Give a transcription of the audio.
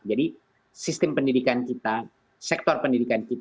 jadi sistem pendidikan kita sektor pendidikan kita